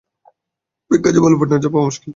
এই কাজে ভালো পার্টনার পাওয়া মুশকিল, তাই না?